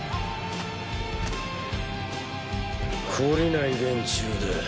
懲りない連中だ。